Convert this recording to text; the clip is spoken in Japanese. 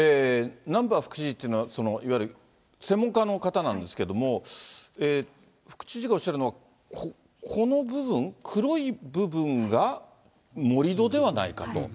難波副知事というのは、いわゆる専門家の方なんですけども、副知事がおっしゃるのは、この部分、黒い部分が盛り土ではないかと。